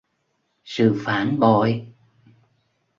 sự phản bội